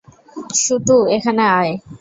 শুটু, এখানে আয়।